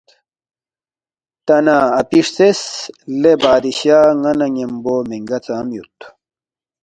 تا نہ اپی ہرژیس، ”لے بادشاہ ن٘ا نہ ن٘یمبو مِنگا ژام یود؟“